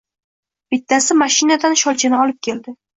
Bittasi mashinadan sholchani olib keldi.